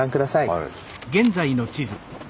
はい。